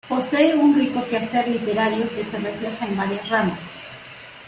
Posee un rico quehacer literario que se refleja en varias ramas.